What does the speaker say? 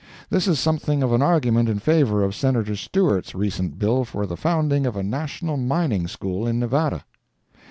This is something of an argument in favor of Senator Stewart's recent bill for the founding of a national mining school in Nevada.